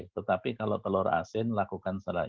tetapi kalau telur asin lakukan secara insidentil